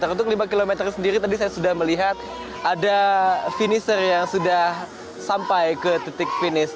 untuk lima km sendiri tadi saya sudah melihat ada finisher yang sudah sampai ke titik finish